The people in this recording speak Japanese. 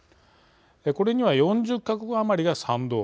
これには４０か国余りが賛同。